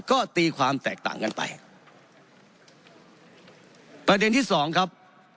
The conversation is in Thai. ก็ตีความแตกต่างกันไปประเด็นที่สองครับ